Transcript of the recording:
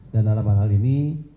dan dalam hal ini